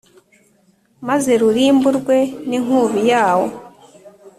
maze rurimburwe n’inkubi yawo.